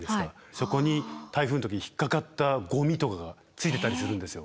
そこに台風の時に引っ掛かったゴミとかがついてたりするんですよ。